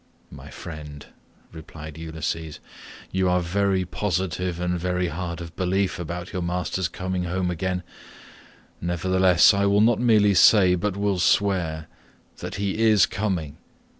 "My friend," replied Ulysses, "you are very positive, and very hard of belief about your master's coming home again, nevertheless I will not merely say, but will swear, that he is coming.